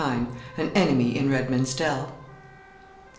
AN ENEMY IN REDMAN'S DELL.